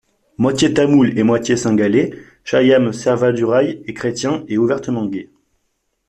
Moitié Tamoul et moitié Cingalais, Shyam Selvadurai est chrétien et ouvertement gay.